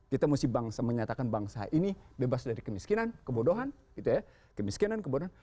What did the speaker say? kita mesti menyatakan bangsa ini bebas dari kemiskinan kebodohan gitu ya kemiskinan kebodohan